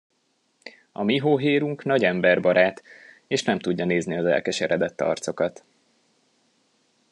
A mi hóhérunk nagy emberbarát, és nem tudja nézni az elkeseredett arcokat.